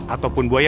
ataupun buaya putih